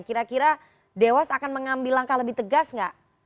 kira kira dewas akan mengambil langkah lebih tegas nggak